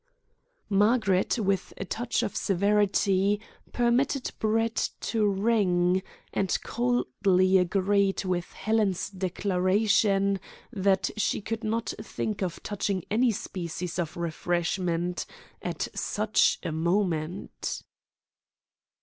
Margaret, with a touch of severity, permitted Brett to ring, and coldly agreed with Helen's declaration that she could not think of touching any species of refreshment at such a moment.